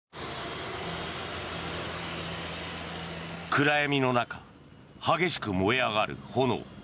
暗闇の中激しく燃え上がる炎。